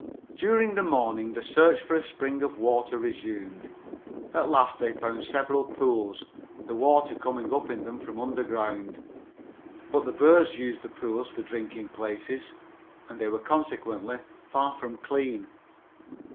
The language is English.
During the morning the search for a spring of water was resumed. At last they found several pools, the water coming up in them from underground. But the birds used the pools for drinking places and they were consequently far from clean.